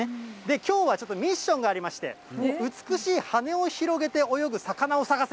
きょうはちょっとミッションがありまして、美しい羽を広げて泳ぐ魚を探せ！